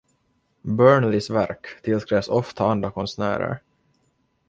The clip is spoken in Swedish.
Burnleys verk tillskrevs ofta andra konstnärer.